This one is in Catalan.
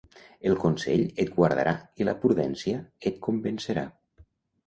El consell et guardarà i la prudència et convencerà.